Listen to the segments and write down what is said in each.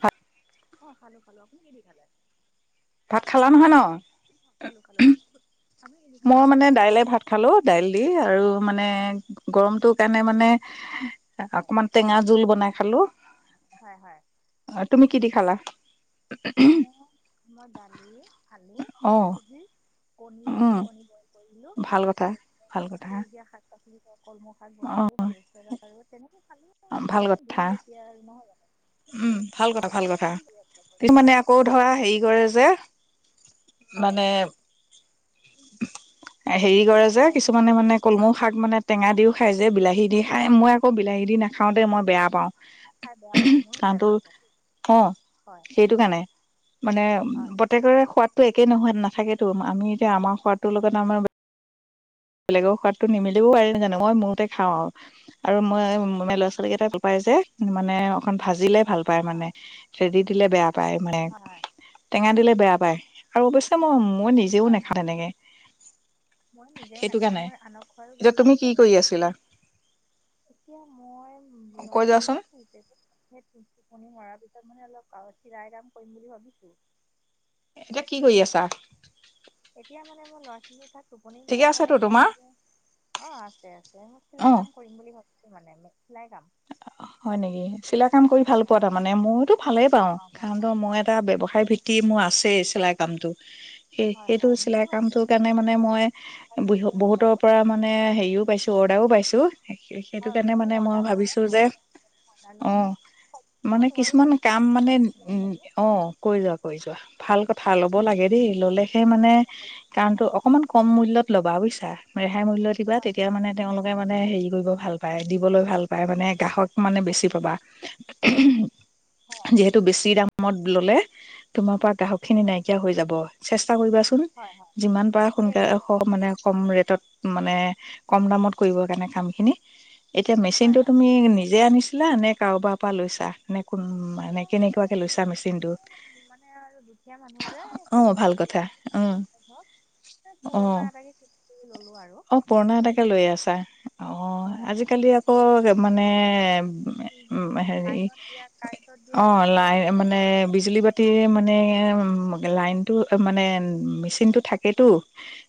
হয়। অ' খালো-খালো আপুনি কিদি খালে। ভাত খালা নহয় ন? খালো খালো খালো আপুনি কি দি খালে মই ভাত মানে খালো দাইলে ভাত খালো দাইল দি আৰু মানে গৰমটো কাৰণে মানে হয় অকনমান টেঙা জোল বনাই হেল্ল', হয়- হয় কি দি খালা? মোৰ মই দালি আলু অঁ ভাজি কণী উম দিলো কণী বইল কৰিলো ভাল কথা তাৰ ভাল পিছত কথা সেউজীয়া শাক [unintelligible] কলমৌ শাক অঁ বনালো তাৰপিছত আৰু তেনেক আল আৰু ভাল গৰম কথা দিন যেতিয়া নহয় উম ভাল হয় কথা ভাল আপুনি কথা কি কৰি কিছুমানে আছে? আকৌ ধৰা হেৰি কৰে যে হয় মানে [unintelligible] হেৰি কৰে যে হয় হয় কিছুমানে মানে কলমুখ শাক মানে টেঙা দিও খায় যে বিলাহী দি খাই মই আকৌ বিলাহী দি নাখাওঁতে মই বেয়া পাওঁ। খাই বেয়া পাওঁ মই আনটো অ ', সেইটো কাৰণে মানে হয় পুতেকৰ খোৱাটো একেই নোহোৱ নাথাকেতো আমি এতিয়া আমাৰ সোৱাদটোৰ লগত আমাৰ বেলেগৰ সোৱাদটো নিমিলিবও পাৰিমাজানো মই মোৰতে খাওঁ আৰু আৰু মই ল'ৰা ছোৱালীকেইটাক পায় যে মানে ভাজিলে ভাল। তাৰ মানে হয় সেইবিধ ছিলে বেয়া পাই মানে হয় হয় টেঙা দিলে বেয়া পায় আৰু অৱশ্যে মই নিজেও হয় নাখাওঁ -হয় তেনেকে মই নিজেও সেইটো নাখাওঁ কাৰণে মই আনক খোৱলো এতিয়া বেয়া পাওঁ তুমি কি নিজেও কৰি নাখাওঁ আছিলা এতিয়া মই বৰা কৈ ছোৱালী যোৱাচোন কেইটা শু যে টোপনি মৰাৰ পিছত মানে অলপ চিৰাই কাম কৰিম বুলি ভাবিছো। এতিয়া কি কৰি আছা? এতিয়া মানে মোৰ ল'ৰা ছোৱালী থাক টোপনি ঠিকে নিয়াই আছাতো মানে তোমাৰ মই অ', আছে- আছে মোক অ চিলাই কাম কৰিম বুলি ভ মানে মেলাই গাম হয় নেকি? চিলাই কাম কৰি ভাল পোৱা তাৰমানে, ময়তো অ ভালেই ভাল পাওঁ, ভাল কাৰণ তো পাওঁ মই এটা ব্যৱসায় ভিত্তি মোৰ আছেই চিলাই আমটো সেই হয় সেইটো হয় মোৰো চিলাই আছে কামটোৰ দেই কাৰণে মানে মই তথাপিও হয় বহুতৰ বাৰু পৰা মানে হেৰিও পাইছো অৰ্ডাৰো পাইছো। আ শঁ [unintelligible] স সেইটো হয় কাৰণে ময়ো মানে মই অৰ্ডাৰ লওঁ ভাবিছো তোৰ যে অৰ্ডাৰ অ লওঁ সম্পূৰ্ণ মানে নোৱাৰোঁ কিছুমান যদি মাজে কাম মানে মাজে অৰ্ডাৰ লওঁ উ' বাৰু অ' কৰি যোৱা-কৰি যোৱা ভাল কথা ল'ব লাগে দেই, ল'লে সেই মানে কাৰণটো হয় অকনমান কম মূল্যত ল'বা বোছি চ ৰেহাই মূল্য কিবা হয় তেতিয়া মানে তেওঁলোকে মানে হেৰি কৰিব ভাল পায় দিবলৈ ভাল পায় মানে গ্ৰাহক মানে বেছি পাবা। হয় যিহেতু বেছি দাম দামত ললে তোমাৰ পা গ্ৰাহক খিনি উম, নাইকিয়া হৈ যাব। চে চেষ্ট কৰিবাচোন হয় হয় যিমান পাৰা ঠিকেই সোনকে হৈছে মানে কম ৰেটত মানে কম দামত কৰিবৰ কাৰণে কামখিনি এতিয়া হয় মেচিনটো হয় তুমি নিজে আনিছিলা, নে কাৰোবাৰ পৰা লৈছা? এ কোন মানে কেনেকুৱাকে মোৰ লৈছা মেচিনটোত? মানে আৰু দুখীয়া মানুহ যে কিনি অ' ভাল কৰি কথা লৈছিলে উ' ধৰক এই পুৰণা আহ এটাকে কিনি কৰি ল'লোঁ আৰু অ' পুৰণা এটাকে লৈ আছা। অ' হয় হয় আজিকালি আকৌ মানে উ উম, হেৰি লাইনত দিয়া কাৰেণ্টত দিয়া অ ওলাইছে লাইন মানে বিজুলী বাতি ল'ম মানে, বুলি লাইনটো মানে মেচিনটো থাকেতো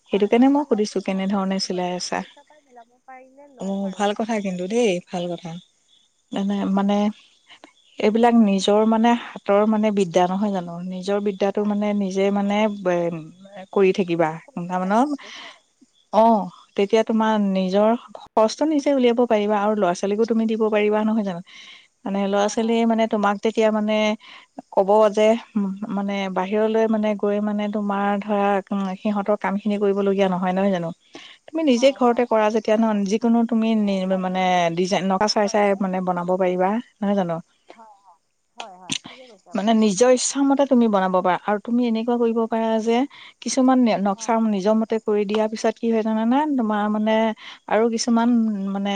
সেইটো হয় কাৰণে হয় মই ল'ম সুধিছো বুলি ভাবি কেনেধৰণে আছোঁ চিলাই বাৰু আছা? পইচা পাই মিলাব পাৰিলে ল'ম আহ আৰু ভাল কথা কিন্তু দেই, ভাল কথা। মনে-মানে এইবিলাক হয় নিজৰ মানে হ তৰ মানে বিদ্যা নহয় জানো? নিজৰ বিদ্যাটো হয় মানে হয় নিজে মানে ব [unintelligible] কৰি থাকিবা [unintelligible] কৰিব লাগিব আৰু হয় অ' তেতিয়া তোমাৰ নিজৰ খৰচটো নিজে উলিয়াব পাৰিবা আৰু ল'ৰা ছোৱালীকো তুমি দিব পাৰিবা নহয় জানো? মানে ল'ৰা হয় হয় ছোৱালীয়ে মানে তোমাক তেতিয়া মানে কব যে মানে বাহিৰলৈ মানে গৈ মানে তোমাৰ ধৰা সিহঁতৰ কাম খিনি কৰিবলগীয়া নহয়-নহয় জানো? তুমি নিজে হয় ঘৰতে হয় কৰা যেতিয়া ন যিকোনো তুমি যে সময় মানে ডিজাইন সন্মিলন চাই কৰা চাই যায় মানে বনাব পাৰিবা নহয় জানো? হয় হয় হয় হয় ঠিকে কৈছে মানে আপুনি নিজৰ ইচ্ছা মতে তুমি বনাব পাৰা আৰু তুমি এনেকুৱা কৰিব পাৰা যে কিছুমান নে - নক্সা হয় নিজৰ মতে কৰি দিয়া পিছত কি হয় জানানে তোমাৰ মানে আৰু কিছুমান মানে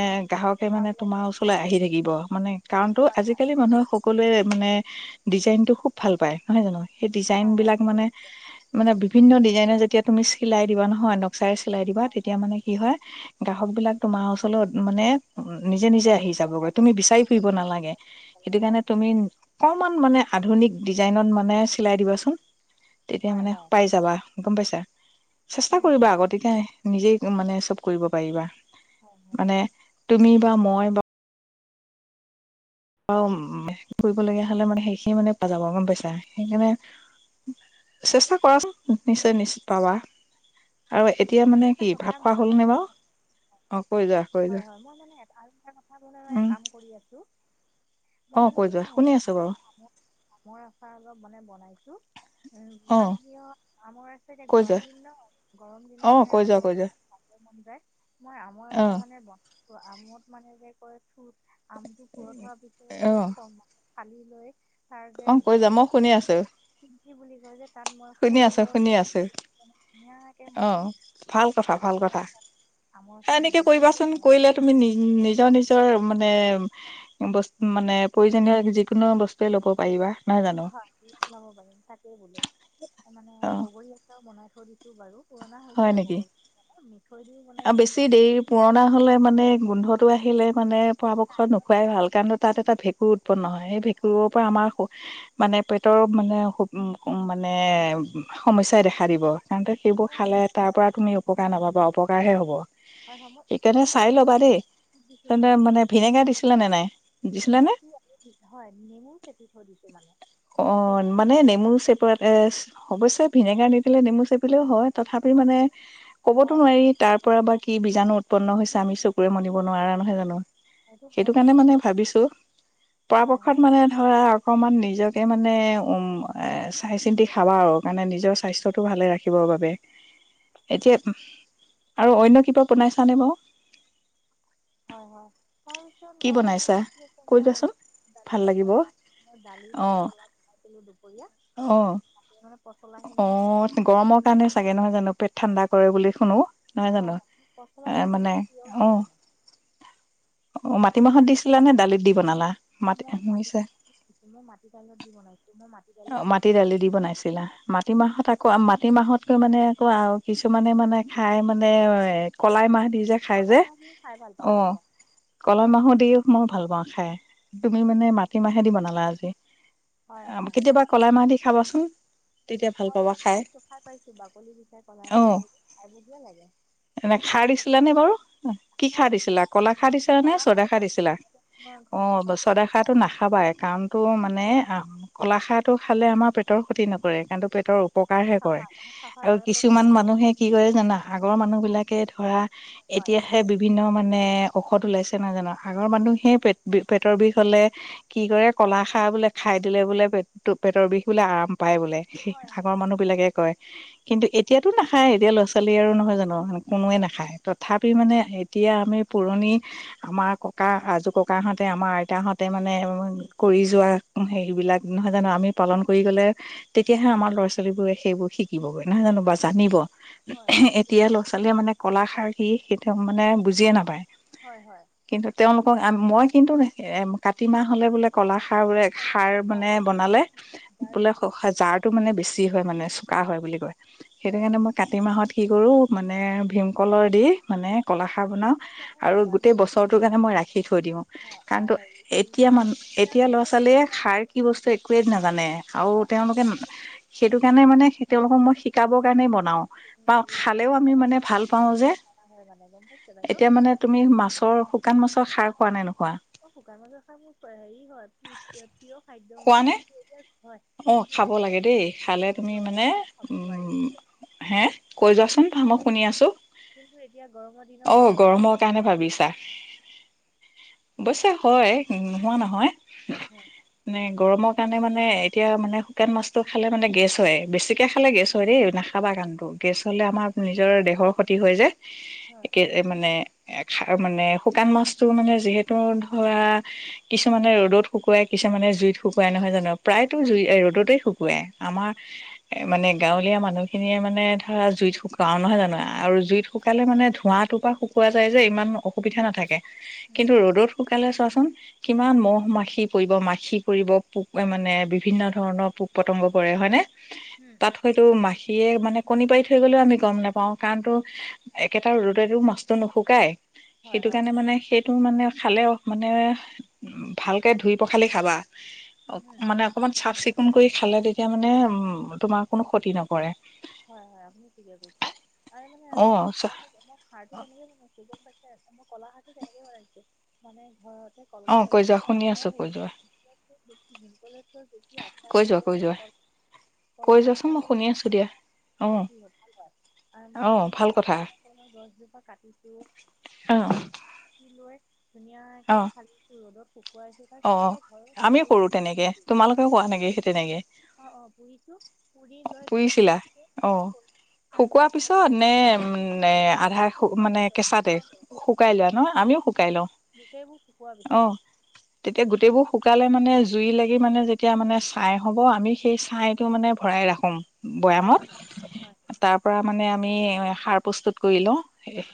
সেইটো গ্ৰাহকে ভাল মানে লাগে তোমাৰ ওচৰলৈ আহি থাকিব মানে কাৰণতো হয় হয় আজিকালি মানুহে সকলোৱে মানে ডিজাইন টো খুব ভাল পাই নহয় জানো? সেই ডিজাইন হয় হয় বিলাক ঠিকে মানে কৈছে - মানে বিভিন্ন ডিজাইনে যেতিয়া তুমি চিলাই দিবা নহয় ন? চিলাই দিবা হয় তেতিয়া মানে কি হয় গ্ৰাহক বিলাক তোমাৰ ওচৰলে মানে উ নিজে নিজে অতি আহি সোনকালে যাবগৈ তুমি বিচাৰি ফুৰিব নালাগে। পেলাই সেইটো হয় কাৰণে তুমি অকমান মানে আধুনিক ডিজাইনত মানে চিলাই দিবাচোন। তেতিয়া হয় মানে হয় পাই যাবা। গম পাইছা? চেষ্টা উম কৰিবা উম আক তেতিয়া নিজেই। মানে চব কৰিব পাৰিবা। হয় হয়। মানে তুমি বা মই বা অ ম - ম ফুৰিবলগীয়া হলে মানে সেইখিনি মানে [unintelligible] যাব গম পাইছা? সেইকাৰণে হয় চেষ্টা কৰাচোন। নিশ্চয় - নিশ্চয় পাবা। আৰু এতিয়া মানে আৰু কি এটা ভাত কথা খোৱা মই হ'ল নে মানে, বাৰু অ কৈ যোৱা কৈ হয় যোৱা হয়। মই মানে আৰু উম কাম কৰি আছো। মই অ মানে কৈ যোৱা শুনি হেৰি আ - আছো বাৰু আমৰ - আমৰ আচাৰ অলপ মানে বনাইছো। হেল্ল' উম অ মানে কি হয় আমাৰ আছে এতিয়া কৈ যোৱা গৰম দিন ন গৰম দিন। অ কৈ যা কৈ যা। [unintelligible] মই আমাৰ আচাৰ মানে ত আমোদ মানে যে ক চুত আমটো পুৰঠ হোৱাৰ পিছত অ যে কম কালি লৈ অ কৈ যোৱা মই শুনি আছো কি বুলি কয় যে তাত মই শুনি আছো শুনি আছো সৰিয়হ ধুনীয়াকে অ মই ভাল কথা ভাল আমৰ কথা আমৰ আচাৰ এনেকে বনাইছো যাতে কৰিবাচোন গৰমত কৰিলে খাব তুমি পাৰি নি নিজৰ নিজৰ মানে বস্ত মানে প্ৰয়োজনীয় যিকোনো বস্তুৱে ল'ব পাৰিবা নহয় জানো হয় নাম বুলাব তাকেই বোলো এ মানে অ বগৰী আচও বনাই থৈ থৈ দিছো বাৰু পুৰণা হৈছে হয় নেকি বগৰী মানে মিঠৈ দিও আৰু বনাইছোঁ বেছি জ্বলা দেৰি দি পুৰণা হলে মানে গোন্ধটো আহে খেলেপ মানে পৰাপক্ষত নোখোৱাই ভাল কাৰণ তাত এটা ভেঁকুৰ উৎপন্ন হয় সেই ভেঁকুৰৰ পৰা আমাৰ শ মানে পেটৰ মানে খুব মানে সমস্যাই দেখা সাৰিব হ‌ওঁতে এচিড মই সেইবোৰ তাৰ পৰা তুমি উপকাৰ নাপাবা অপকাৰহে হ'ব হয় মই এচিড সেইকাৰণে দি থৈ চাই ল'বা দিছো দেই দি তেন্তে মানে নেমুটেঙা ভিনেগাৰ দিছিলে নে এচিড নাই দিছিলে নে দিছো হয় নেমু চেপি থৈ দিছো মানে অ সেইকাৰণে মানে নেমু চেপত এ অবস্যে ভিনেগাৰ নিদিলে নেমু চেপিলেও হয় তথাপি মানে কবতো হয় নোৱাৰি তাৰ পৰা বা কি ক- বীজাণু উৎপন্ন হৈছে আমি চকুৰে মনিব নোৱাৰা নহয় জানো হয় সেইটো বাৰু কাৰণে মানে ভাবিছো হয় পৰাপক্ষত হয় মানে ধৰা অকণমান নিজে তাকে মানে উ এ চাই চিন্তি খাবা আৰু কাৰণে নিজৰ স্বাস্থ্যটো ভালে ৰাখিবৰ বাবে এতিয়া আৰু অন্য কিবা বনাইছানে বাৰু হয় হয় তাৰপিছত কি মই মানে বনাইছা কি হৈছে কৈ মই যোৱাচোন আজি দালি ভাল লাগিব পচলা মই দালি অ পচলা বনাইছিলো দুপৰীয়া অ তাকে মানে পচলাখিনি অ মানে গৰমৰ কাৰণে চাগে নহয় জানো পেট ঠাণ্ডা কৰে বুলি শুনো নহয় জানো হয় হয় পচলা এ মই মানে বহুত প্ৰিয় অ হয় মানে অ মাটিমাহত দিছিলা নে দালিত দি বনালা মাটি মই নিছে মাটিমাহ মই মাটিাইলত দি বনাইছো মই ম অ মাটি দালি দি বনাইছিলা মাটি মাহত আকৌ মাটি মাহতকৈ মানে আকৌ আৰু কিছুমানে মানে খাই মানে কলাই মাহ দি যে খাই কলাই যে মাহ দি খাই ভাল পাওঁ অ দেই মই কলম মাহো দি ময়ো ভাল পাওঁ খাই তুমি মানে মাটি মাহেদি বনালা আজি হয় হয় কেতিয়া কলা মাহ দি খাবাচোন। তেতিয়া ভাল পাবা মই খাই খাইছো পাইছো বাকলি গুচাই কলাই আহ, মাহটো খাই বঢ়িয়া লাগে এনে খাৰ দিছিলা নে? বাৰু কি খাৰ দিছিলা? ক'লা খাৰ দিছিলা নে? কলা চদা দি খাৰ দিছিলা? মই ঘৰ অ', ঘৰতে চদা খাৰটো নাখাবাই কাৰণো মানে মানে অ, কলাখাৰটো খালে আমাৰ পেটৰ ক্ষতি নকৰে কাৰণটো পেটৰ প্ৰকাৰহে কৰে চাফা চাফা আৰু কৰে পেট কিছুমান চাফা কৰে মানুহে কি কৰে জানা আগৰ মানুহ বিলাকে ধৰা হয় এতিয়াহে বিভিন্ন মানে ঔষধ ওলাইছে ন জানা আগৰ হয় মানুহেই পেট বি পেটৰ বিষ হ'লে! কি কৰে কলা খাৰ বোলে খাই দিলে বোলে পেটটো পেটৰ বিষ বোলে আৰাম পায় বোলে সেই হয় আগৰ মানুহবিলাকে কয়। কিন্তু এতিয়াতো নাখায় এতিয়া ল'ৰা ছোৱালী আৰু নহয় জানো। কোনোৱে হয় নাখায় তথাপি হয় মানে এতিয়া আমি পুৰণি আমাৰ ককা আজো ককাহঁতে আমাৰ আইতাহঁতে মানে কৰি যোৱা হেৰিবিলাক নহয় জানো আমি পালন কৰি গলে তেতিয়াহে আমাৰ ল'ৰা ছোৱালী বোৰে সেইবোৰ শিকিবগৈ। নহয় জানো বা জানিব হয় ঠিকে কৈছে এতিয়া ল'ৰা ছোৱালীয়ে মানে কলা খাৰ সি তেওঁক মানে বুজিয়ে নাপায়। হয়-হয়। কিন্তু তেওঁলোকক মই কিন্তু কাতি মাহ হ'লে বোলে কলা সাৰ বোৰে সাৰ কলাখাৰ গাৰ মানে বেছি বনালে গাৰ বোলে বেছি জাৰটো মানে বেছি হয় মানে। ককা হয় বুলি কয় সেইটো হয় কাৰণে হয় মই কাতি মাহত কি কৰো মানে ভীমকলৰ দি মানে কলাখাৰ বনাওঁ যোনখিনি নহয় আৰু মানে গোটেই কি কয়, বছৰটোৰ কাৰণে মই ৰাখি থৈ দিওঁ অ, অ, কাৰণ হেৰি কি এতিয়া কয় মান আঠিয়া এতিয়া ল'ৰা কলৰ ছোৱালীয়ে সাৰ কি বস্তু একোৱেই নাজানে আৰু আ- তেওঁলোকে আঠিয়া সেইটো পুলি কাৰণে মানে তেওঁলোকক মই শিকাবৰ কাৰণে ব হেৰি খালে আ, ভাল পাও যে হয় মানে গম পাইছে বাইদেউ এতিয়া মানে তুমি মাছ শুকান মাছৰ খাৰ পোৱা ই নো অ', শুকান মাছৰ খাই মোৰ হেৰি হয় প্ৰিয় খাদ্য খোৱা হয় নে কিন্তু এতিয়া হয় অ', কিন্তু খাব এতিয়া লাগে দেই খালে গৰমটো এতিয়া তুমি মানে গৰমৰ দিনত খাব নোৱাৰি উ' হে কৈ যোৱাচোন কিন্তু মই শুনি আছো কিন্তু এতিয়া গৰমৰ দিনত খাব অ', নোৱাৰি গৰমৰ কাৰণে ভাবিছা। অৱশ্যে হয় নোহোৱা নহয়। হয় নাই। গৰমৰ কাৰণে মানে। এতিয়া মানে শুকান মাছটো খালে মানে গেছ হয় বেছিকৈ খালে গেছ হয় দেই নাখাবা কাণটো গেছ হ'লে আমাৰ নিজৰ দেহৰ ক্ষতি হৈ যায়। হয় একে মানে। মানে শুকান মাছতটো মানে যিহেতু ধৰা কিছুমানে ৰ'দত শুকুৱাই কিছুমানে জুইত শুকুৱাই নহয় জানো প্ৰায়। জুই ৰ'দতেই শুকুৱাই আমাৰ এ মানে গাঁৱলীয়া মানুহখিনিয়ে মানে ধৰা জুইত শুকুৱাও নহয় জানো আৰু। আৰু জুইত শুকালে মানে ধোঁৱাত। তোৰাপা শুকোৱা যায় যে ইমান। সুবিধা নাথাকে উম কিন্তু ৰ'দত শুকালে। চোৱাচোন কিমান মহ, মাখি পৰিব মাখি কৰিব পোক মানে। বিভিন্ন ধৰণৰ পোক-পতংগ পৰে হয়নে। উম তাত হয়তো মাখিয়ে। মানে কণী পাৰি থৈ গ'লেও আমি গম নাপাওঁ কাৰণ তো একেটা ৰ'দতো মাছটো নুশুকাই। হয় সেইটো হয় কাৰণে মানে সেইটো মানে। খালেও মানে উ ভালকে ধুই পখালি খাবা। অ উম মানে। অকমান চাফ চিকুণ কৰি খালে তেতিয়া মানে উ তোমাৰ কোনো ক্ষতি নপৰে। হয় হয় আপুনি ঠিকে কৈছে আৰু মানে অ মই বচোৱাটো মই সাৰো কেনেকে বনাব। মই কলাখাৰ তেনেকে বনাইছো মানে ঘৰত। অ কলগছ কৈ যোৱা আছিল শুনি আছো মই হে কৈ যোৱা ভীম প্ৰজৰ বখি আঠা কৈ যোৱা কৈ কলৰে যোৱা কল কৈ আ যোৱাচোন মই শুনি কলৰ। আছো দিয়া অ অ ভাল কথা [unintelligible] গছজোপা কাটিছো অ [unintelligible] ধুনীয়াকে অ ভালছো ৰ'দত। অ অ তাৰপিছত আকৌ ঘৰৰ আমিও কৰো চোতালতে তেনেকে পুৰিছো হয় তোমালোকে কৰা নেকি সেই তেনেকে অ অ পুৰিছো পুৰি লৈ ধুনীয়া। অহ শুকোৱাৰ পিছত লৈ নে উ জা- আধা শুকোৱাৰ মানে পিছত কেঁচাতে শুকাওতে শুকাই লোৱা ন আমিও শুকাই লওঁ গোটেইবোৰ শুকোৱাৰ পিছত অহ। তেতিয়া গোটেইবোৰ শুকালে মানে জুই লাগি মানে যেতিয়া মানে ছাই হ'ব আমি সেই ছাইটো মানে ভৰাই ৰাখোম। হয় হয় হয় বৈয়ামত তাৰ পৰা। মানে আমি সাৰ প্ৰস্তুত কৰি লওঁ। সেই।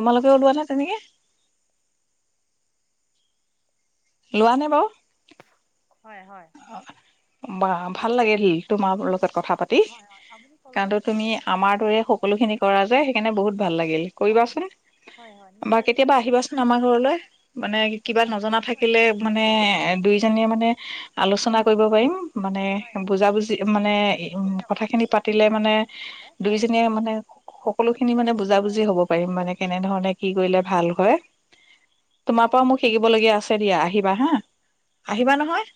তোমালোকে ওলোৱা ন তেনেকে। লোৱা নে বাৰু। হয় হয় হয় অ। বা ভাল লাগিল। তোমাৰ লগত কথা আপুনি পাতি হয় হয় আপুনি কলডিল কাৰণো কল তুমি আমাৰ খায়নে দৰে নাখায় সকলোখিনি কৰা যায় সেইকাৰণে বহুত ভাল লাগিল হয় কৰিবাচোন হয় হয় হয় বা নিশ্চয় কেতিয়াবা কৰিম আহিবাচোন আমাৰ ঘৰলৈ মানে নিশ্চয় কিবা যাম নজনা আপুনিও থাকিলে আহিব হয় মানে দুইজনীয়ে মানে। কৰিব পাৰিম মানে বুজা-বুজি মানে উ কথা খিনি পাতিলে মানে দুইজনীয়ে মানে সকলো খিনি মানে বুজা-বুজি হব পাৰিম মানে কেনেধৰণে কি কৰিলে ভাল হয়। তোমাৰ পৰাও মোক শিকিবলগীয়া আছে দিয়া, আহিবা হা, আহিবা নহয়?